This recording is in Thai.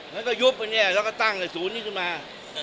แล้วก็ยุบไปเนี่ยแล้วก็ตั้งศูนย์นี้ขึ้นมา